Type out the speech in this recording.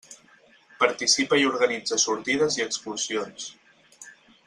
Participa i organitza sortides i excursions.